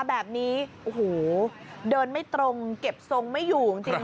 ว่าแบบนี้เดินไม่ตรงเก็บทรงไม่อยู่จริง